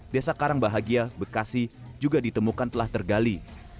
desa karangbahagia bekasi juga ditemukan telah tergali